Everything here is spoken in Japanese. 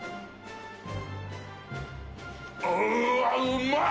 うーわっ、うまい。